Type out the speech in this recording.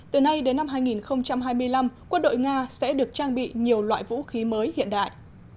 từ nay đến năm hai nghìn hai mươi năm quân đội nga sẽ được trang bị nhiều loại vũ khí mới hiện đại